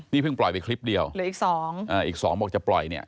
นี่เพิ่งปล่อยไปคลิปเดียวอีก๒บอกจะปล่อยเนี่ย